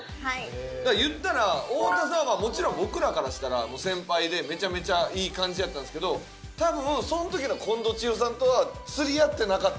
だから言ったら太田さんはもちろん僕らからしたら先輩でめちゃめちゃいい感じやったんですけど多分その時の近藤千尋さんとは釣り合ってなかったんですよ。